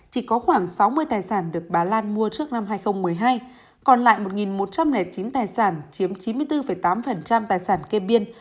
chỉ có khoảng sáu mươi tài sản được bà lan mua trước năm hai nghìn một mươi hai còn lại một một trăm linh chín tài sản chiếm chín mươi bốn tám tài sản kê biên